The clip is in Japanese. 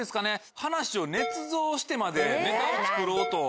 話をねつ造してまでネタを作ろうと。